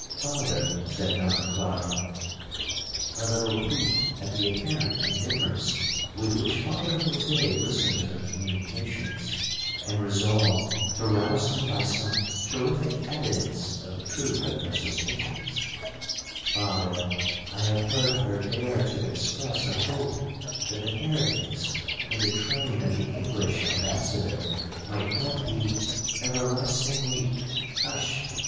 '—'Father,' said Donna Clara, a little piqued at the apparent indifference with which Father Jose listened to her communications, and resolved to rouse him by some terrific evidence of the truth of her suspicions, 'Father, I have heard her dare to express a hope that the heretics in the train of the English ambassador might not be everlastingly'—'Hush!